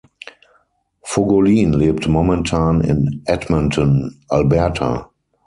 Fogolin lebt momentan in Edmonton, Alberta.